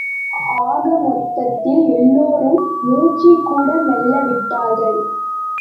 ஆக மொத்தத்தில், எல்லோரும் மூச்சைக்கூட மெல்ல விட்டார்கள்.